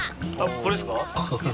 これですか？